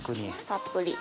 たっぷり。